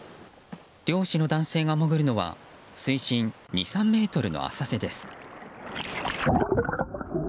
漁師の男性が潜るのは水深２３ｍの浅瀬です。